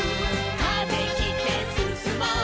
「風切ってすすもう」